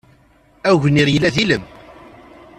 Agnir yella d ilem.